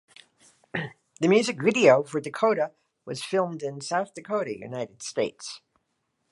The music video for "Dakota" was filmed in South Dakota, United States.